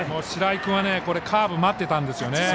白井君はカーブを待ってたんですね。